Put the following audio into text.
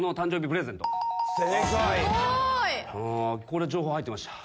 これ情報入ってました。